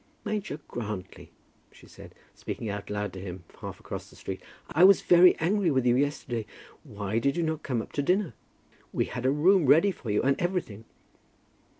"Major Grantly," she said, speaking out loud to him, half across the street; "I was very angry with you yesterday. Why did you not come up to dinner? We had a room ready for you and everything."